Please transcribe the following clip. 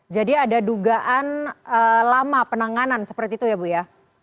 jadi ada dugaan lama penanganan seperti itu ya bu ya